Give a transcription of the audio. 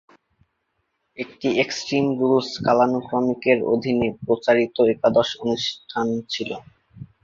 এটি extreme rules কালানুক্রমিকের অধীনে প্রচারিত একাদশ অনুষ্ঠান ছিল।